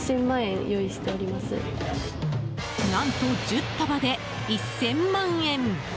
何と、１０束で１０００万円。